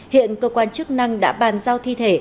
hiện cơ quan chức năng đã bàn giao thi thể